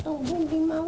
tunggu di mana nih